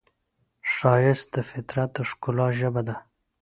ښایست د فطرت د ښکلا ژبه ده